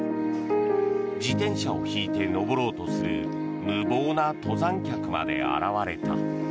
自転車を引いて登ろうとする無謀な登山客まで現れた。